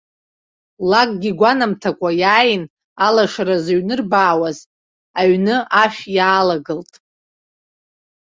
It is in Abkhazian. Лакгьы игәанамҭакәа иааин, алашара зыҩнырбаауаз аҩны ашә иаалагылт.